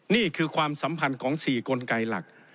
นี่คือความสัมพันธ์ของ๔กลไกหลัก